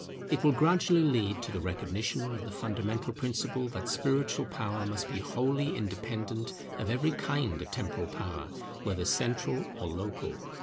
It will gradually lead to the recognition of the fundamental principle that spiritual power must be wholly independent of every kind of temporal power, whether central or local.